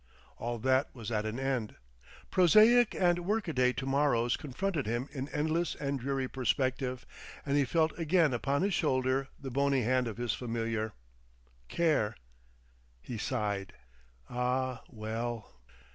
All that was at an end. Prosaic and workaday to morrows confronted him in endless and dreary perspective; and he felt again upon his shoulder the bony hand of his familiar, Care.... He sighed: "Ah, well!"